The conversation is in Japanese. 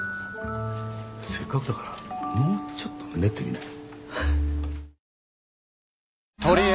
せっかくだからもうちょっと練ってみない？